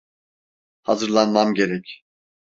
Hazırlanmam gerek.